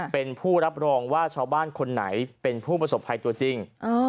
เป็นผู้รับรองว่าชาวบ้านคนไหนเป็นผู้ประสบภัยตัวจริง